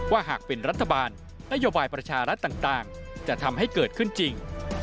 หากเป็นรัฐบาลนโยบายประชารัฐต่างจะทำให้เกิดขึ้นจริง